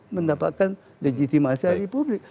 mendapatkan legitimasi dari publik